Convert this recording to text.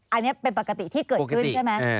อันนี้เป็นปกติที่เกิดขึ้นใช่ไหม